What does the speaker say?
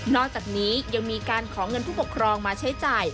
อกจากนี้ยังมีการขอเงินผู้ปกครองมาใช้จ่าย